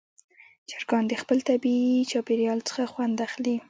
چرګان د خپل طبیعي چاپېریال څخه خوند اخلي.